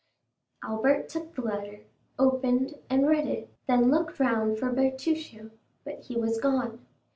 Albert took the letter, opened, and read it, then looked round for Bertuccio, but he was gone.